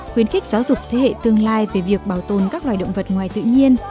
khuyến khích giáo dục thế hệ tương lai về việc bảo tồn các loài động vật ngoài tự nhiên